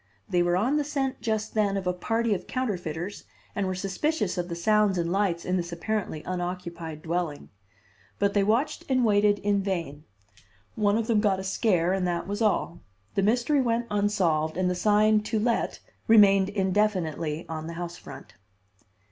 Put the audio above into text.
They were on the scent just then of a party of counterfeiters and were suspicious of the sounds and lights in this apparently unoccupied dwelling. But they watched and waited in vain. One of them got a scare and that was all. The mystery went unsolved and the sign "To Let" remained indefinitely on the house front.